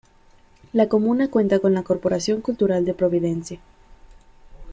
La comuna cuenta con la Corporación Cultural de Providencia.